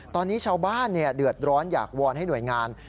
ตอนนี้ชาวบ้านเดือดร้อนอยากวอนให้หน่วยงาน